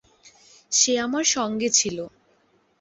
সে আমার সঙ্গে ছিল।